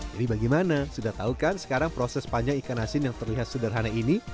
jadi bagaimana sudah tahu kan sekarang proses panjang ikan asin yang terlihat sederhana ini